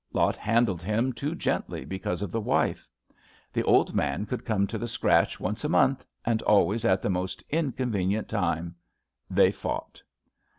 Lot handled him too gently be cause of the wife. The old man could come to the scratch once a month, and always at the most inconvenient time. They fought.